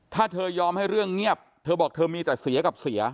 ถ้าเธอยอมให้เรื่องเงียบเธอบอกเธอมีแต่เสียกับเสีย